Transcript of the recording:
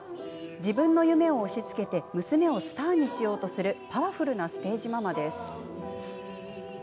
自分の夢を押しつけて娘をスターにしようとするパワフルなステージママです。